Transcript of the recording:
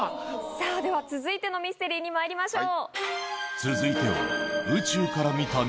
さぁでは続いてのミステリーにまいりましょう。